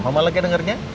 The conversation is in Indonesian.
mama lega dengarnya